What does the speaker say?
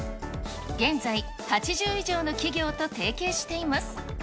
現在、８０以上の企業と提携しています。